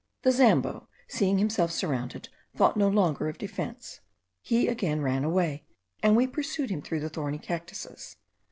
The Zambo seeing himself surrounded, thought no longer of defence. He again ran away, and we pursued him through the thorny cactuses.